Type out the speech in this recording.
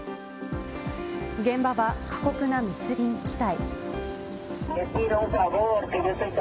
現場は過酷な密林地帯。